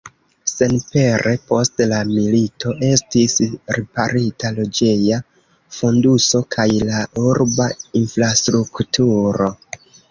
Senpere post la milito estis riparita loĝeja fonduso kaj la urba infrastrukturo.